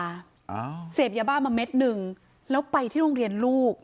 อ่าเสพยาบ้ามาเม็ดหนึ่งแล้วไปที่โรงเรียนลูก